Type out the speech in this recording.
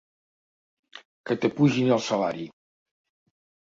Que t'apugin el salari!